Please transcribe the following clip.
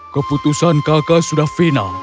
keputusan kakak sudah final